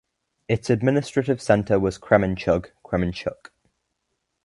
Its administrative centre was Kremenchug (Kremenchuk).